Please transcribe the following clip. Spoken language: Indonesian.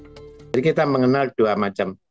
jadi kita mengenal dua macam